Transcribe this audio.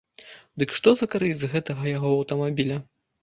Дык што за карысць з гэтага яго аўтамабіля!